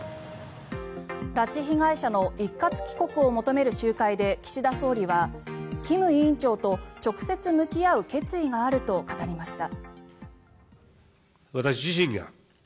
拉致被害者の一括帰国を求める集会で岸田総理は金委員長と直接、向き合う決意があると語りました。